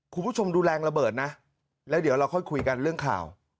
คุณผู้ชมดูแรงระเบิดนะแล้วเดี๋ยวเราค่อยคุยกันเรื่องข่าว